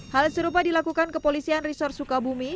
hal serupa dilakukan kepolisian resort sukabumi